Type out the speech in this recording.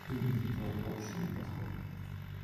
ম্যালকমের সাথে তোমার প্রমোশন নিয়ে কথা বলো।